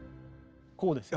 こうですよ。